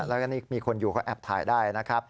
แล้วก็นี่มีคนอยู่เขาแอบถ่ายได้นะครับ